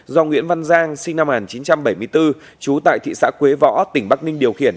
do nguyễn văn giang sinh năm một nghìn chín trăm bảy mươi bốn trú tại thị xã quế võ tỉnh bắc ninh điều khiển